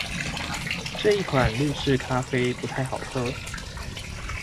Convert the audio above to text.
這一款濾掛式咖啡不太好喝